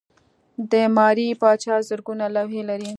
د ماري پاچا زرګونه لوحې لرلې.